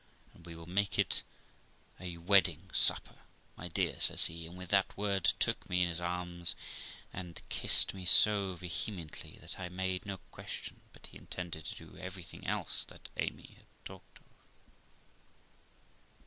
'And we will make it a wedding supper, my dear', says he; and with that word took me in his arms, and kissed me so vehemently that I made no question but he intended to do everything else that Amy had talked of.